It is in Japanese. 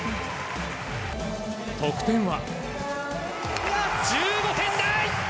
得点は。